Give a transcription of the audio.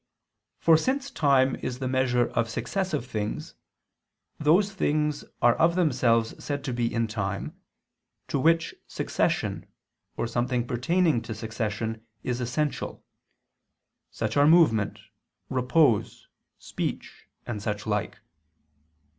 For since time is the measure of successive things, those things are of themselves said to be in time, to which succession or something pertaining to succession is essential: such are movement, repose, speech and such like.